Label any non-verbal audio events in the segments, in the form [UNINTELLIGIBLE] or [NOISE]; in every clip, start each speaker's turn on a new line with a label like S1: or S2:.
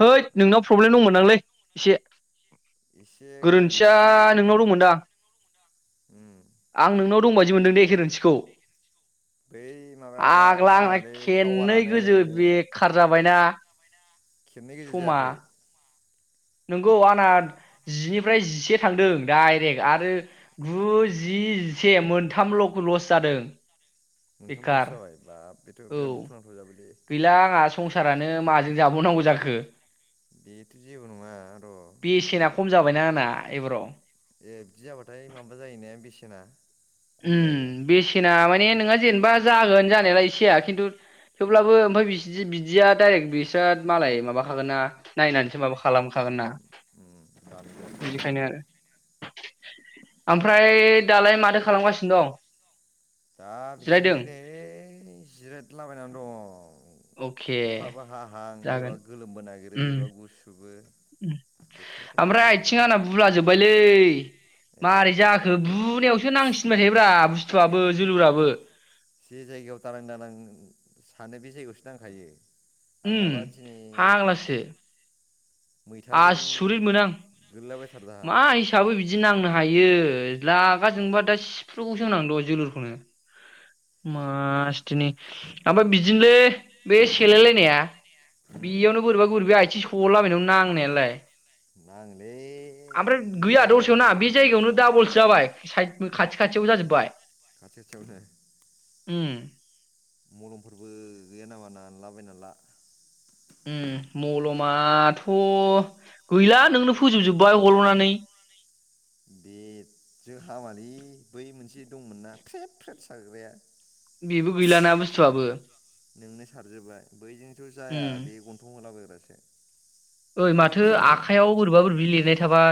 S1: ओइद
S2: ओ
S1: नोंनाव प्रब्लेम दंमोन नांलै एसे
S2: एसे
S1: गोरोन्थिया
S2: गोरोन्थि
S1: नोंनाव
S2: औ
S1: दंमोनदां
S2: उम
S1: आं नोंनाव दं बादि
S2: बे
S1: मोनदों दे गोरोन्थिखौ
S2: बै माबाया
S1: आग्ला आंना
S2: नाङालै
S1: खेननै
S2: टावारानो
S1: गोजो बेखार जाबायना।
S2: खेबनै गोजो जायाखै।
S1: नंगौ आंना जिनिफ्राय जिसे थांदों डाइरेक्ट आरो गु जि जिसे मोनथामल' लस जादों।
S2: मोनथाम
S1: बेखार
S2: लस जाबाय बाब
S1: औ
S2: बिराद दुखुनांथाव जाबाय
S1: गैला आंहा संसारानो माजों जाबावनांगौ जाखो
S2: बेथ' जेबो नङा र
S1: बेसेना खम जाबायना आंना एबाराव
S2: ए बिदि जाबाथाय माबा जायोना बेसेना खम जायो
S1: उम बेसेना माने नोंहा जेनेबा जागोन जानायालाय इसेया खिन्थु थेवब्लाबो ओमफ्राय बिसि-बिदिया डाइरेक्ट बिसा मालाय माबाखागोन नायनानैसो माबाखागोन खालामखागोन ना
S2: उम दानगोन
S1: बिनिखायनो
S2: बेखौ
S1: आरो। ओमफ्राय दालाय माथो खालामगासिनो दं।
S2: जा
S1: जिरायदों
S2: बिदिनोलै नै जिरेदला बायनानै दं।
S1: अके
S2: अखाबो हाहां बोरैबा
S1: जागोन
S2: गोलोमबो नागिरो
S1: उम
S2: बोरैबा गुसुबो बोथोराथ' मा
S1: ओमफ्राय आथिं
S2: बुंनो
S1: आंना बुलाजोब्बायलै
S2: ए
S1: मारै जाखो बुनायावसो नांसिनबाय थायोब्रा [UNINTELLIGIBLE] बाथुआबो जोलुराबो
S2: जे जायगायाव दालां दानां सानो बे जायगायावसो नांखायो
S1: उम
S2: आंनाबा दिनै
S1: फाग्लासो
S2: मैथाजों
S1: आसुरित मोनो आं
S2: गोलैलाबायथारदों आं
S1: मा हिसाबै बिदि नांनो हायो लागा जोंबा दा सिफ्रु गौसोमोन आं दहाय जोलुरखौनो मासथिनि ओमफाय बिदिनोलै बे सेलाय लायनाया बेयावनो बोरैबा गोरैबि सिखला बायनायाव नांनायालाय
S2: नांलै
S1: आमफ्राय गैया
S2: गोरा गोरा
S1: दसेयावना
S2: गारनाय
S1: बे
S2: जोबथारदों जुथा
S1: जायगायावनो दाबलसो जाबाय साइद बो खाथियाव जाजोब्बाय
S2: खाथि
S1: उम
S2: मलमफोरबो गैया नामा नालाबायना ला
S1: ओम मलमाथ गैला नोंनो फोजोब जोब्बाय हलनानै
S2: बे जों हामालै बै मोनसे दंमोन ना फ्रेब फ्रेब साग्राया
S1: बेबो गैलाना बुस्थुआबो
S2: नोंनो सारजोबबाय बैजों थ
S1: उम
S2: जाया बे गन्थं [INAUDIBLE]
S1: ओइ माथो
S2: मोनसे मल
S1: आखायाव बोरैबा बोरैबि लिरनाय थाबा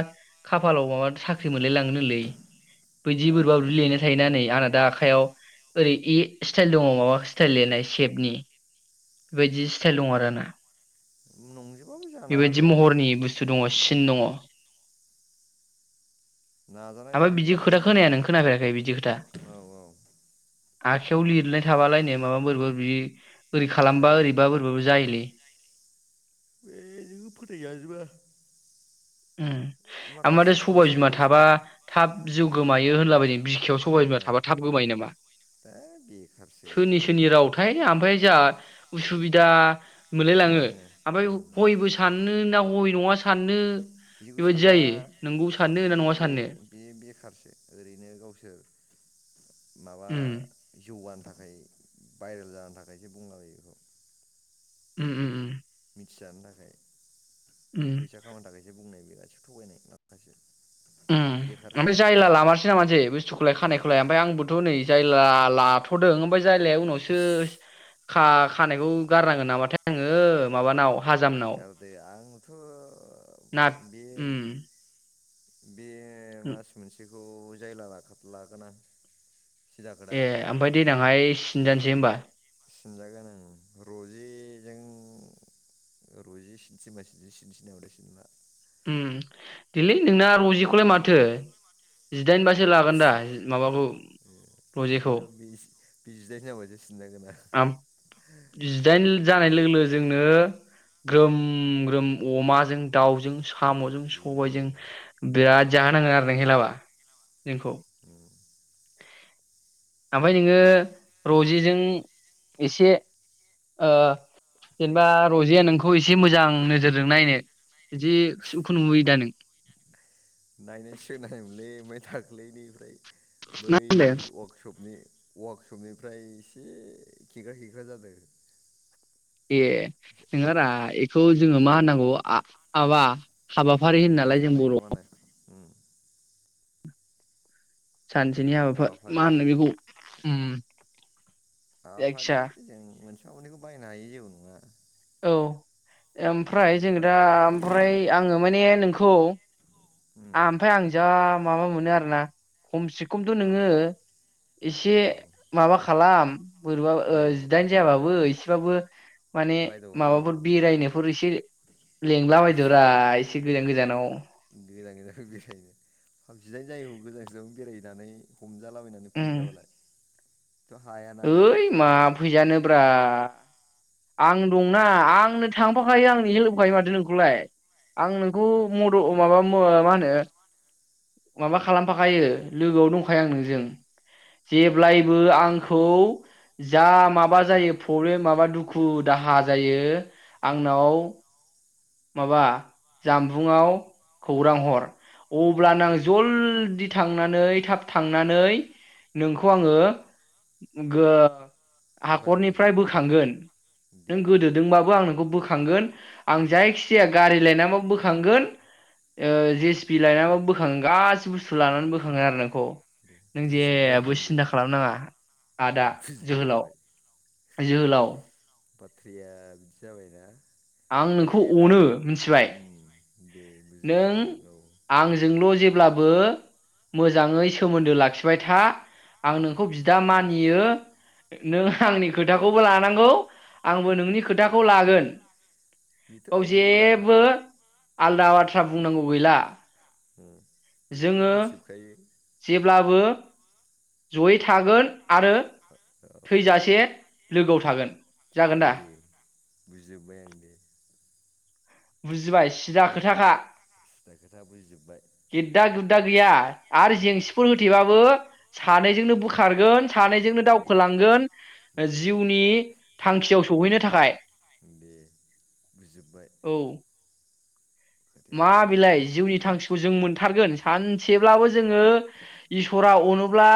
S1: खाफालाव माबा साख्रि मोनलाय लाङोनोलै बैदि बोरैबा
S2: आखाइयाव
S1: बोरैबि लिरनाय थायोना नै आंना दा
S2: थानांगौलै
S1: आखायाव ओरै ए स्टाइल दङ माबा स्टाइल लिरनाय सेपनि बेबायदि स्टाइल दं आरो ना
S2: नंजोबाबो जानो
S1: बेबायदि
S2: हागौ
S1: महरनि बुस्थु दङ सिन दङ।
S2: नाजानाय
S1: ओमफाय बिदि
S2: थायोब्ला
S1: खोथा
S2: मोनो
S1: खोनाया नों खोनाफेराखै बिदि खोथा
S2: औ औ
S1: आखायाव लिरनाय
S2: खोना
S1: थाबालायनो माबा बोरैबा बेए ओरै खालामबा
S2: जायो
S1: ओरैबा बोरैबाबो जायोलै
S2: बे जोंबो फोथाय जाजोबा।
S1: उम माथो सबाय
S2: खावसेया
S1: बिमा थाबा
S2: खावसेया
S1: थाब जिउ गोमायो। होनलाबायदों। बिखायाव सबाय बिमा
S2: औ
S1: थाबा थाब गोमायो नामा
S2: दा बेखारसो इयो
S1: सोरनि सोरनि रावथाय आमफाय जा उसुबिदा मोनलायलाङो
S2: गिलायलाङो
S1: आमफाय
S2: उम
S1: हयबो सान नो ना हय नङा साननो
S2: बिदिखौ
S1: बेबायदि
S2: सानाङा
S1: जायो नोंगौ साननो ना नङा साननो
S2: बे-बे-बे बेखारसो ओरैनो गावसोर माबा
S1: उम
S2: जौगानो था भाइराल जानो थाखायसो बुंलाबायो बेखौ।
S1: उम उम उम
S2: मिथिजानो थाखाय
S1: उम
S2: फैसा खामानि थाखायसो बुंनाय गासैबो थगायनाय माखासे
S1: उम
S2: बेखारसो
S1: जायला लामारसै मामारसै बुस्थुखौलाय खानायखौलाय ओमफफ्राय आंबोथ नै जाय लाथदों ओमफ्राय जायलाया उनावसो खा-खानायखौ गारनांगोन नामाथाय आङो माबानाव हाजामनाव
S2: गारदे आंथ
S1: ना
S2: बे
S1: उम
S2: बे मास मोनसे बेखौ जायला लाथार लागोन आं। सिदाखोदा
S1: ए ओमफ्राय दे देनांहाय सिनजानोसै होमबा
S2: सिनजागोन ओं रजिजों रजि सिनसबासिजों सिनोसै सिनो थिनाबा सिनला
S1: उम दिलै नोंना रजिखौलाय माथो जिदाइनबासो लागोन दा माबाखौ रजेखौ
S2: ओंखायनोथ' बे बे जिदाइन जाबासो सिनजागोन आं
S1: जिदाइन जानाय लोगो लोगो जोंनो ग्रोम ग्रोम अमाजों दाउजों सामजों
S2: बेनो दे
S1: सबायजों बिराद जाहो नांगोन आरो नों एहाय हिलाबा जोंखौ ओमफ्राय नोङो रजेजों एसे जेनेबा रजेया नोंखौ एसे मोजां नोजोरजों नायनो बिदि [UNINTELLIGIBLE] नुयोदा नों
S2: नायनाय सोनायलै दाख्लैनिफ्राय
S1: ना
S2: बै
S1: होनदों
S2: वार्कशपनि - वार्कशपनिफ्राय एसे खेग्रा खेग्रा जादों।
S1: ए नोंङारा एखौ जोङो मा होननांगौ आ-आबा हाबाफारि होनोनालाय जों बरआव
S2: उम
S1: सानसेनि हाबाफा मा
S2: हाबाफारि
S1: होननो बेखौ उम
S2: हाबाफारि
S1: जायखिया
S2: जों मोनस आवनैखौ बायनो हायि जेबो नङा।
S1: औ
S2: मोनफा
S1: ओमफ्राय जों
S2: मोननैखौ
S1: दा
S2: बायनो हायो
S1: ओमफ्राय आङो माने नों खौ
S2: उम
S1: आहा ओमफ्राय आं जा माबा मोनो आरोना खमसे खमथ
S2: मावो
S1: नोङो एसे
S2: औ
S1: माबा खालाम। बोरैबा ओ
S2: रायदाव
S1: जिदाइन
S2: हरनांगौ
S1: जायाबाबो एसेबाबो माने
S2: रायदाव हरनांगौ
S1: माबाफोर बेरायनोफोर एसे लिंला बादोब्रा एसे गोजान गोजानाव।
S2: गोजान गोजान बेरायनो [UNINTELLIGIBLE] बेरायहैनानै हमजालाबायनानै
S1: उम
S2: फैजाबालाय थ' हायाना आङो
S1: ओइ मा फैजानोब्रा आं दंना आंनो थांफाखायो आंनो हेल्प होखायो माथो नोंखौलाय आं नोंखौ
S2: हाब
S1: मदद माबा मा होनो माबा खालामफाखायो लोगोआव दंखायो आं नोंजों जेब्लायबो आंखौ जा माबा जायो प्रब्लेम माबा दुखु दाहा जायो आंनाव माबा जानबुंङाव खौरां हर अ अब्ला नो आं
S2: दे
S1: जलदि थांनानै थाब थांनानै नोंखौ आङो गो
S2: हेफाजाब
S1: हाखरनिफ्राय
S2: होगोन
S1: बोखांगोन नों
S2: दे
S1: गोदोदोंबाबो आं नोंखौ बोख थांगोन आं
S2: दे
S1: जायखिजाया गारि लायनाबाबो बोखांगोन ओ
S2: दे
S1: जि सि पि लायना बाबो बोख हां गास बुस्थु
S2: दे
S1: लानानै बोखांगोन आरो नोंखौ
S2: दे
S1: नों
S2: बुजिजोब्बाय आं
S1: जेबो
S2: दे
S1: सिन्था खालामनाङा
S2: दे
S1: आदा जोहोलाव
S2: बुजिजोब्बाय
S1: जोहोलाव।
S2: बाथ्राया बिदि जाबायना
S1: आं
S2: बे
S1: नोंखौ
S2: दा
S1: अनो मिथिबाय
S2: उम, दे बुजिबाय
S1: नों
S2: आं औ
S1: आंजोंल जेब्लाबो मोजाङै सोमोन्दो लाख लाखिबाय था आं
S2: दे
S1: नोंखौ बिदा मानियो। नों आंनि खोथाखौबो लानांगौ आंबो नोंनि खोथाखौ लागोन।
S2: बेथ'
S1: औ
S2: नंगौब्रा
S1: जेबो आलदा बा
S2: नोंगौ
S1: बाथ्रा बुंनांगौ गैला।
S2: [UNINTELLIGIBLE] बेखौथ'
S1: जोङो
S2: मोनथिजोबखायो।
S1: जेब्लाबो जयै थागोन आरो
S2: औ
S1: थैजासे लोगोआव थागोन। जागोन दा?
S2: बिजोब्बाय आं दे।
S1: बुजिबाय सिदा खोथाखा
S2: सिदा खोथा बुजिजोब्बाय
S1: गेद्दा गुद्दा गैया आरो
S2: उम
S1: जेंसिफोर होथेबाबो सानैजोंनो बोखारगोन सानैजोंनो
S2: दे
S1: दावखोलांगोन
S2: दे
S1: जिउनि थांखियाव स सौहैनो थाखाय।
S2: दे बुजि जोबबाय।
S1: औ मा
S2: बिदि आरो
S1: बिलाइ जिउनि थांखिखौ जों मोनथारगोन सानसेब्लाबो जोङो इसरा अनो ब्ला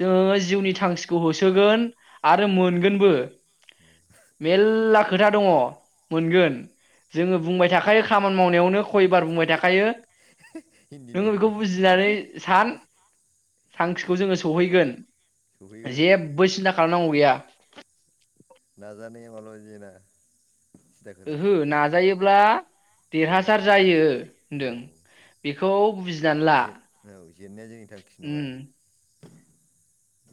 S1: जोङो जिउनि थांखिखौ होसोगोन आरो मोनगोनबो मेलला खोथा दङ मोनगोन जोङो बुंबाय थाखायो खामा मावनायावनो खयबार बुंबाय थाखायो नोङो
S2: हिन्दीनिखौ
S1: बेखौ बुजिनानै सान थांखिखौ
S2: दे
S1: जोङो सहैगोन
S2: सौहैगोन
S1: जेबबो सिन्था खालामनांगौ गैया।
S2: नाजानायावबाल' जेना। सिदा खोथा
S1: ओहो नाजायो ब्ला
S2: जेना
S1: देरहासार जायो
S2: औ
S1: होनदों बेखौ बुजिनानै ला
S2: जे औ जेननाया जोंनि थांखि नङा
S1: उम।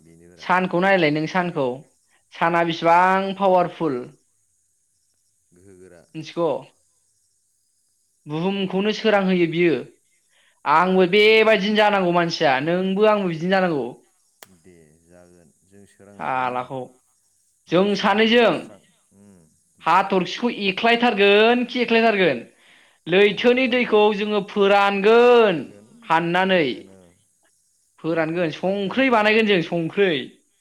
S2: बेनोब्रा
S1: सानखौ
S2: खोथाया
S1: नायलाय नोङो सानखौ। साना बिसिबां पावारफुल
S2: गोहो गोरा
S1: मिथिग' बुहुमखौनो सोरां होयो बियो।
S2: बिराद
S1: आंबो
S2: गोहो गोरा
S1: बेबायदिनो
S2: मोनो
S1: जानांगौ मानसिया नोंबो आं औ बिदिनो जानांगौ
S2: दे जागोन जों सोरां होगोन ना
S1: सालाखौ जों
S2: न' सिंखौ जोङो
S1: सानैजों
S2: स्रां उम दे
S1: हाथरखिखौ एख्लायथारगोन खि एख्लायथारगोन
S2: खावनाबाबो
S1: लैथोनि
S2: लायगोन
S1: दैखौ जोङो फोरानगोन
S2: गोन
S1: हाननानै
S2: फोरानगोन ओं
S1: फोरानगोन
S2: नाफोरखौ फानगोन
S1: संख्रै बानायगोन जों संख्रै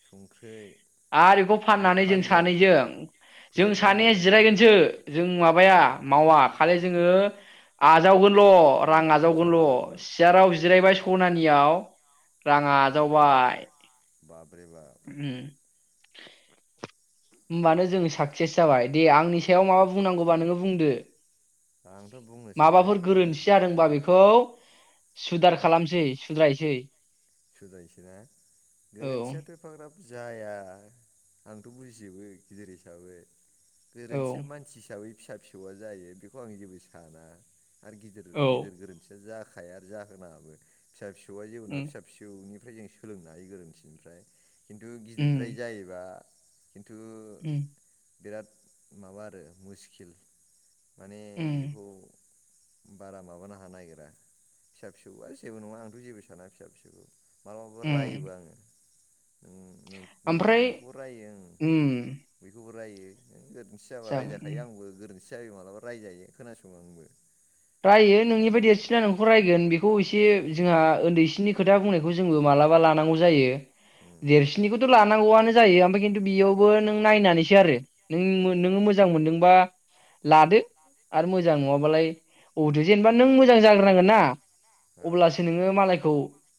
S2: संख्रै
S1: आरो बेखौ फाननानै सानैजों जों
S2: फैसा खामायनो
S1: सानैया
S2: लायगोन
S1: जिरायगोनसो जों
S2: औ
S1: माबाया मावा खालि जोङो आजावगोन ल रां
S2: उनाव फैसाल'
S1: आजावगोनल
S2: आजावगोन
S1: सियाराव
S2: दे
S1: जिरायबाय सनानियाव राङा आजावबाय
S2: बाफरे बा
S1: उम होमबानो जों साक्सेस जाबाय दे आंनि सायाव माबा
S2: जाफुंसार
S1: बुंनांगौबा नोङो बुंदो
S2: आंथ' बुंनो
S1: माबाफोर
S2: सानदों
S1: गोरोन्थि जादोंबा बेखौ खौ सुदार खालामसै सुद्रायसै
S2: सुद्रायनोसै ना
S1: औ
S2: गोरोन्थियाथ एफाग्राब जाया आंथ बुजिजोबो गिदिर हिसाबै
S1: औ
S2: गोरोन्थिया मानसि हिसाबै फिसा फिसौआ जायो बेखौ आं जेबो साना आरो गिदिर
S1: औ
S2: गिदिर गोरोन्थिया जायाखै जानाया जाहो नागाबो फिसा फिसौ बेयावहाय जेबो नङा
S1: उम
S2: फिसा फिसौनिफ्राय जों सोलोंनो हायो गोरोन्थि निफ्राय खिन्थु गिदिरद्राय
S1: उम
S2: जायोबा खिन्थु
S1: उम
S2: बिराद माबा आरो मुस्किल माने
S1: उम
S2: बेखौ बारा माबानो हानो नायगिरा फिसा फिसौआ जेबो नङा आंथ जेबो साना फिसा फिसौ मालाबाबो
S1: उम
S2: रायोबा आङो उम
S1: ओमफ्राय उम
S2: बेखौबो रायो गोरोन्थि जाबा
S1: जागोन
S2: रायजाखायो
S1: उम
S2: आंबो गोरोन्थि जायो मालाबा रायजायो खोनासङो आंबो
S1: रायो नोंनि बायदि
S2: बेनाब्रा
S1: देरसिना नोंखौ रायगोन बेखौ एसे
S2: औ
S1: जोंहा उन्दैसिनि खोथा बुंनायखौ जोंबो
S2: उम
S1: मालाबा लानांगौ जायो।
S2: उम
S1: देरसिनिखौथ लाख लानांगौआनो जायो ओमफ्राय खिन्थु बेयावबो नों नायनानैसो आरो नों
S2: औ
S1: नोङो मोजां मोनदोंबा लादो आरो
S2: उम
S1: मोजां नङा बालाय औदो जेनेबा नों मोजां जाग्रोनांगोन ना
S2: औ
S1: अब्लासो नोङो
S2: बुजिदों
S1: मालायखौ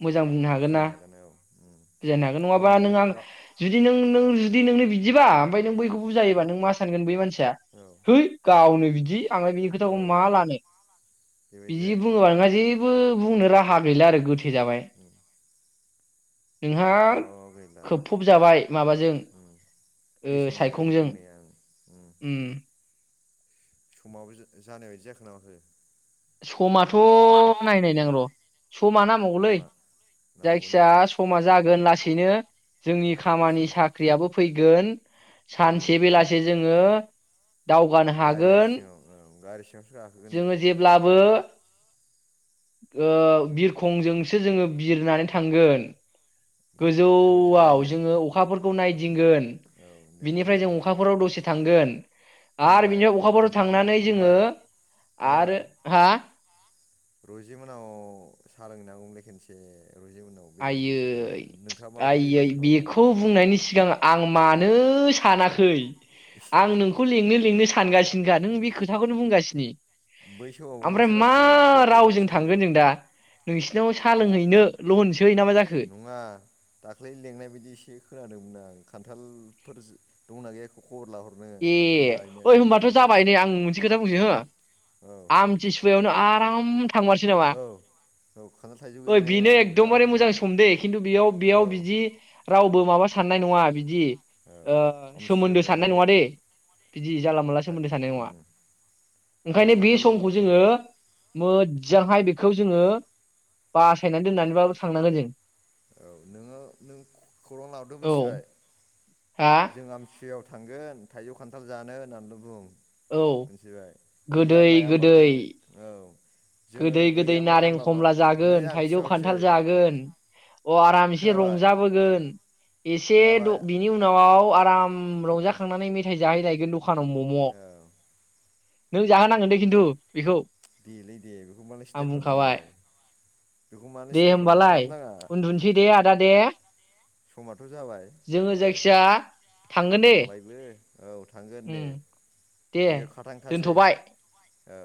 S1: मोजां बुंनो हागोन ना
S2: बुजायनो औ उम
S1: बुजायनो हागोन नङाबा
S2: गावनि
S1: नों
S2: जुदि
S1: आं
S2: गाव
S1: जुदि नों
S2: उम
S1: नों जुदि नोंनो बिबा ओमफाय नों बैखौ बुजायोबा नों मा सानगोन बै मानसि [UNINTELLIGIBLE]
S2: औ
S1: थोइ गावनो बिदि आंलाय बिनि
S2: औ
S1: खोथाखौ मा लानो [INAUDIBLE]
S2: बेबायदि
S1: बिदि
S2: जाहैगोन
S1: बुङोबा नोंहा जेबो [UNINTELLIGIBLE] बुंनो राहा गैला आरो गो जाबाय [INAUDIBLE]
S2: उम
S1: नोंहा
S2: माबा गैला
S1: खोबफुब जाबाय माबाजों
S2: उम
S1: ओ
S2: बेसेन गैला बेनि
S1: सायखंजों
S2: बुंनाया उम
S1: ओं
S2: समाबो जा जानाय बायदि जाखो ना माखो?
S1: समाथ नायनाय नां र समा नांबावगौलै
S2: समा
S1: जायखि
S2: नांबावगौ ने औ
S1: जाया समा जागोन लासैनो जोंनि खामानि
S2: सिन्था
S1: साख्रियाबो फैगोन सानसे
S2: फैगोन
S1: बेलासे जोङो दावगानो
S2: गारियाव
S1: हागोन।
S2: सिङाव औ गारि सिङावसो गाखोगोन
S1: जोङो
S2: जों
S1: जेब्लाबो [INAUDIBLE] ओ बिरखंजोंसो जोङो बिरनानै थांगोन
S2: रुजिखौ
S1: गोजौआव
S2: लायनो
S1: जोङो अखाफोरखौ नायदिंगोन
S2: औ दे ओमफ्राय
S1: बिनिफ्राय जों अखाफोराव दसे थांगोन आरो
S2: खोनाबाय
S1: बिनिफ्राय अखाफोराव
S2: नोंथां
S1: थांनानै जोङो
S2: फंबाय खोनाबाय
S1: आरो हा
S2: रजि मोनाव साहा लोंहैनांगौमोनलै खेनसे
S1: आइयै
S2: माबाफोर
S1: आइयै
S2: हेफाजाब खालामनो हागोन
S1: बेखौ
S2: नामा
S1: बुंनायनि सिगां आं मानो नो सानाखै आं नोंखौ लिंनो लिंनो सानगासिनोखा नों बे खोथाखौनो बुंगासिनो
S2: बै समावबो
S1: ओमफ्राय
S2: नोंसोर
S1: मा
S2: आंखौ खबर
S1: रावजों
S2: हरासै
S1: थांगोन जों दा? नोंसिनाव सा
S2: दा
S1: लोंहैनो ल ना मा जाखो
S2: नङा दाख्लै लेंनाय बायदि एसे खोनादोंमोन [UNINTELLIGIBLE] खान्थालफोर दंना गैया? खबर लाहरनो
S1: ए
S2: खान्थाल जाहैनो
S1: ओइ
S2: थाइजौ
S1: होनोमबाथ
S2: जाहैनो
S1: जाबाय नै
S2: मिथिबाय
S1: आं मोनसे खोथा बुंसै
S2: औ
S1: हो
S2: औ
S1: आमथिसुवायावनो आराम थांमारसै नामा
S2: औ औ खान्थाल थाइजौ
S1: ओ
S2: हैनाया
S1: बेनो
S2: औ जाना
S1: एकदमबारे
S2: फैनो
S1: मोजां
S2: हायो
S1: समदे खिन्थु बेयाव
S2: औ
S1: बेयाव बिदि रावबो माबा साननाय नङा। दि
S2: औ
S1: ओ
S2: आमथिसुवायाव
S1: सोमोन्दो
S2: जानो
S1: साननाय
S2: हायो
S1: नङा
S2: औ
S1: दे बिदि जाला मोनला
S2: थाइ
S1: सोमोन्दो थानाय नङा
S2: उम
S1: ओंखायनो
S2: थाइजौ
S1: बे
S2: खान्थाल
S1: समखौ
S2: औ
S1: जोङो मोजांहाय बेखौ जोङो बासायनानै दोननानैबाबो थांनांगोन जों।
S2: औ नोङो नों खौ खौरां लाबोदो
S1: औ
S2: मिथिबाय
S1: हा
S2: जों आमथियाव थांगोन थाइजौ खान्थाल जानो होननानैल बुं।
S1: औ
S2: मिनथिबाय गैया
S1: गोदै
S2: माया होन
S1: गोदै
S2: बाबोथाय नो औ। जोङो
S1: गोदै गोदै
S2: गैया माया
S1: नारें
S2: होनबाबो
S1: खमला
S2: नै
S1: जागोन
S2: आं
S1: थाइजौ
S2: खिन्थाहरसै
S1: खान्थाल जागोन। अ आरामसे
S2: खोनाबाय
S1: रंजाबोगोन। एसे द
S2: खोनाबाय
S1: बिनि उनाव आराम रंजाखांनानै मेथाइ जाहैलायगोन द खानाव
S2: औ
S1: मम। नों जाहोनांगोन दे खिन्थु बेखौ।
S2: देलै दे बेखौ मालाय
S1: आं
S2: सिन्था खालामदों
S1: बुंखाबाय
S2: नोंलाय बेखौ मानो
S1: दे
S2: सिन्था खालामदों
S1: होमबालाय
S2: खालामनाङा।
S1: उन्दुनोसै दे आदा दे।
S2: समथ जाबाय
S1: जोङो
S2: दे
S1: जायखिया थांगोन दे
S2: मोनाबायबो औ थांगोन दे
S1: उम दे
S2: बियो खाथांखासै।
S1: दोनथ'बाय
S2: औ।